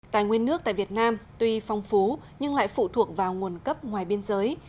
tài nguyên nước tại việt nam tuy phong phú nhưng lại phụ thuộc vào nguồn cấp ngoài biên giới